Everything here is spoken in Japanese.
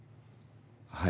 はい。